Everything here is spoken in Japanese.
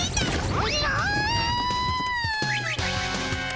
おじゃ！